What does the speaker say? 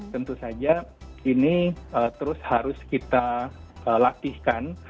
tentu saja ini terus harus kita latihkan